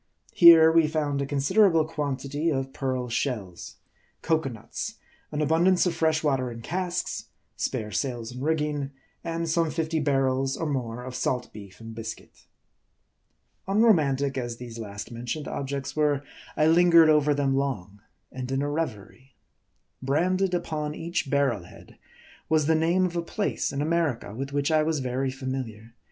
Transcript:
Here, we found a considerable quantity of pearl shells ; cocoanuts ; an abundance of fresh water in casks ; spare sails and rigging ; and some fifty bar rels or more of salt beef and biscuit. Unromantic as these last mentioned objects were, I lingered over them long, and in a revery. Branded upon each barrel head was the name of a place in America, with which I was very familiar.